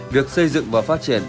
việc xây dựng và phát triển